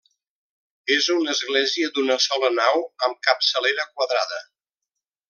És una església d'una sola nau amb capçalera quadrada.